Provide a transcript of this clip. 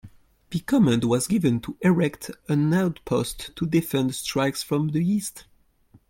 The command was given to erect an outpost to defend strikes from the east.